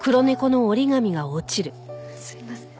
すいません。